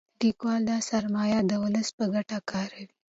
لیکوال دا سرمایه د ولس په ګټه کاروي.